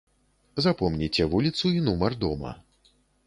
Запомніце вуліцу і нумар дома.